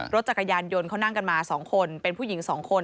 รถจักรยานยนต์เขานั่งกันมา๒คนเป็นผู้หญิง๒คน